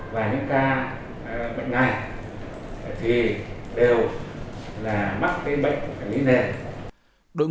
và những ca bệnh này thì đều là mắc cái bệnh lý nền